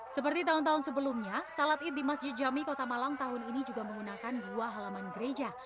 seperti tahun tahun sebelumnya salat id di masjid jami kota malang tahun ini juga menggunakan dua halaman gereja